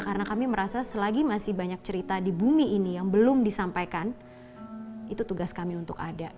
karena kami merasa selagi masih banyak cerita di bumi ini yang belum disampaikan itu tugas kami untuk ada